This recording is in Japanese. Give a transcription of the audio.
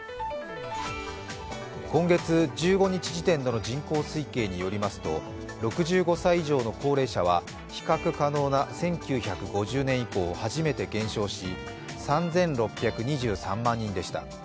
今月１５日時点での人口推計によりますと６５歳以上の高齢者は比較可能な１９５０年以降、初めて減少し、３６２３万人でした。